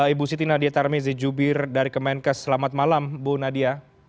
ibu siti nadia tarmizi jubir dari kemenkes selamat malam bu nadia